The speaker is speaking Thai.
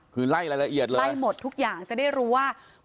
คือไล่รายละเอียดเลยไล่หมดทุกอย่างจะได้รู้ว่า